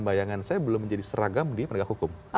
bayangan saya belum menjadi seragam di penegak hukum